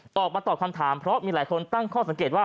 ออกมาตอบคำถามเพราะมีหลายคนตั้งข้อสังเกตว่า